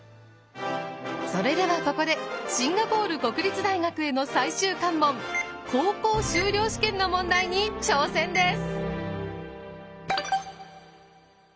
それではここでシンガポール国立大学への最終関門高校修了試験の問題に挑戦です。